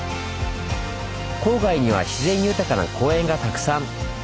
郊外には自然豊かな公園がたくさん。